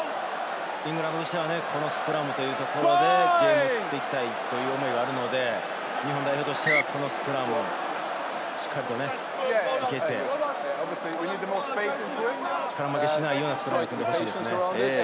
イングランドとしてはこのスクラム、ゲームを作っていきたいという思いがあるので、日本代表としてはこのスクラムをしっかり受けて、力負けしないようなスクラムを組んで欲しいですね。